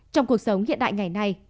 trong cuộc sống hiện đại ngày nay